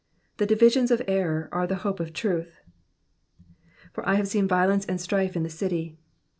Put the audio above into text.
The divisions of error are the hope of truth. ^^For I have seen violence and strife in the city.''